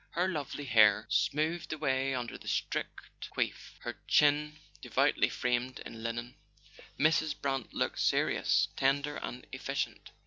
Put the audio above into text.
Her lovely hair smoothed away under her strict coif, her chin devoutly framed in linen, Mrs. Brant looked serious, tender and efficient.